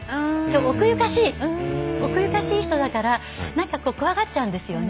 奥ゆかしいおくゆかしい人だからなんか怖がっちゃうんですよね。